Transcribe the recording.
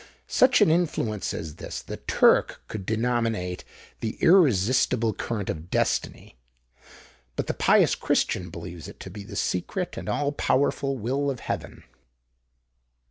Such an influence as this the Turk would denominate the irresistible current of Destiny; but the pious Christian believes it to be the secret and all powerful will of heaven.